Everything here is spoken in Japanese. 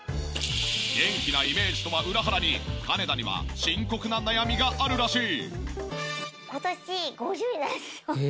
元気なイメージとは裏腹に金田には深刻な悩みがあるらしい。